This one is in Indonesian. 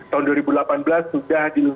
tahun dua ribu delapan belas sudah